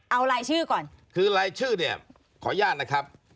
เอารายชื่อก่อนคือรายชื่อเนี่ยขออนุญาตนะครับ